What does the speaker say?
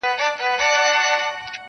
ویلې یې لاحول ده پخوا په کرنتین کي-